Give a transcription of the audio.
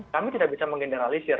kami tidak bisa menggeneralisir